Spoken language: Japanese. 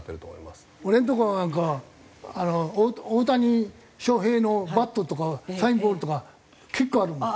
俺のとこなんか大谷翔平のバットとかサインボールとか結構あるもん。